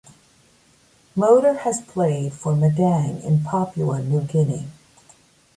Moeder has played for Madang in Papua New Guinea.